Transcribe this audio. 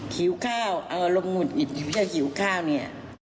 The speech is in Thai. หิวข้าวอารมณ์หิวข้าวเนี่ย